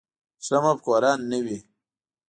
ښه مفکوره نه وي.